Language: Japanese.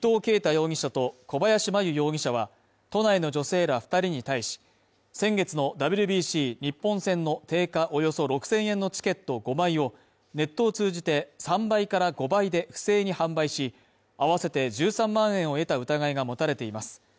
容疑者と小林真優容疑者は都内の女性ら２人に対し、先月のＷＢＣ日本戦の定価およそ６０００円のチケット５枚をネットを通じて３倍から５倍で不正に販売し、あわせて１３万円を得た疑いが持たれています。